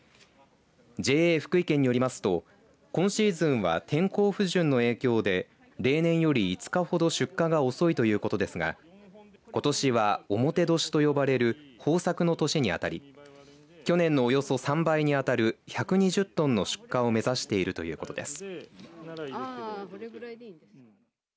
ＪＡ福井県によりますと今シーズンは天候不順の影響で例年より５日ほど出荷が遅いということですがことしは表年と呼ばれる豊作の年にあたり去年のおよそ３倍にあたる１２０トンの出荷を目指しているということです。